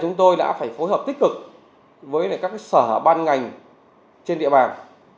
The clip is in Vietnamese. chúng tôi đã phải phối hợp tích cực với các sở ban ngành trên địa bàn